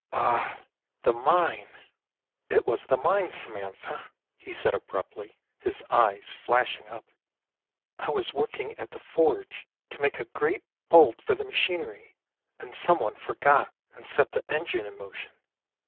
" Ah ! the mine — it was the mine. Samantha," he said abruptly, his eyes flashing up, " I was working at the forge to make a great bolt for the machinery, 23 354 THE LANE THAT HAD NO TURNING and someone forgot and set the engine in motion.